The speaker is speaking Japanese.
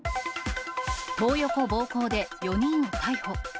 トー横暴行で４人を逮捕。